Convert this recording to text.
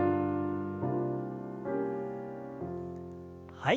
はい。